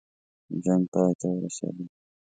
جنګ پای ته ورسېدی.